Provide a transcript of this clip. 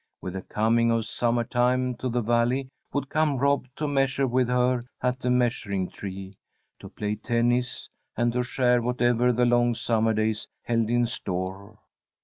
With the coming of summer time to the Valley would come Rob to measure with her at the measuring tree, to play tennis, and to share whatever the long summer days held in store.